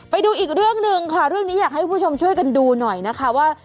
ไปดูอีกเรื่องหนึ่งค่ะเรื่องนี้อยากให้คุณผู้ชมช่วยกันดูหน่อยนะคะว่า